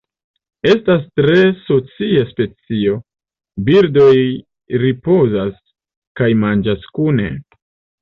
Estas tre socia specio, birdoj ripozas kaj manĝas kune.